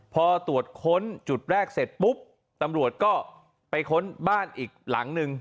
พอตรวจค้นจุดแรกเสร็จปุ๊บตำรวจก็ไปค้นบ้านอีกหลังนึง